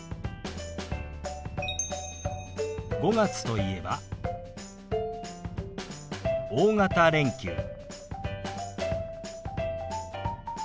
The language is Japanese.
５月といえば「大型連休」。